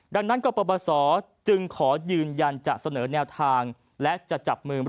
ดังนั้นกรปศจึงขอยืนยันจะเสนอแนวทางและจะจับมือ